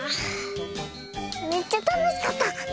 めっちゃたのしかった！